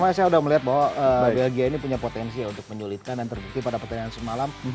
saya sudah melihat bahwa belgia ini punya potensi untuk menyulitkan dan terbukti pada pertandingan semalam